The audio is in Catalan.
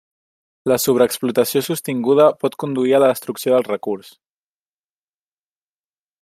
La sobreexplotació sostinguda pot conduir a la destrucció del recurs.